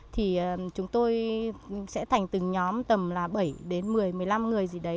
thì chúng tôi sẽ thành từng nhóm tầm là bảy đến một mươi một mươi năm người gì đấy